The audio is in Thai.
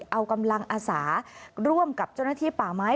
เอากำลังอาสาร่วมกับเจ้าหน้าที่ป่าไม้